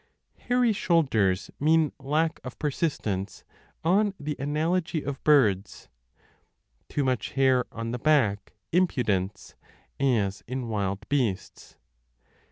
Hairy shoulders mean lack of persistence, on the analogy of birds : too much hair on the back, impudence, as in wild beasts.